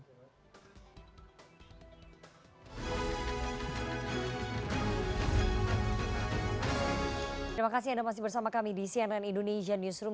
terima kasih anda masih bersama kami di cnn indonesian newsroom